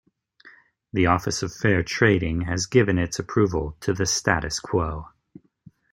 The Office of Fair Trading has given its approval to the "status quo".